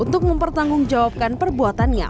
untuk mempertanggungjawabkan perbuatannya